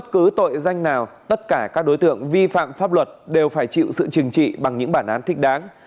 cả các đối tượng vi phạm pháp luật đều phải chịu sự trừng trị bằng những bản án thích đáng